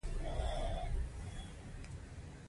ډي این اې د وراثت کوډونه لیږدوي